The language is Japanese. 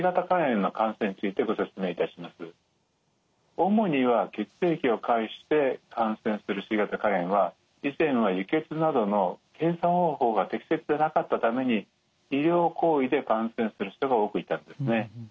主には血液を介して感染するＣ型肝炎は以前は輸血などの検査方法が適切でなかったために医療行為で感染する人が多くいたんですね。